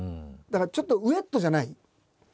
だからちょっとウエットじゃない。